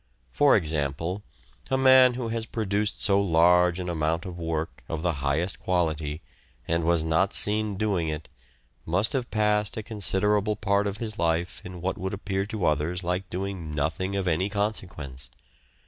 For example, a man who has produced so large an amount of work of the highest quality, and was not seen doing it, must have passed a considerable part of his life in what would appear to others like doing nothing of any consequence.